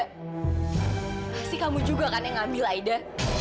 kasih kamu juga kan yang ngambil aida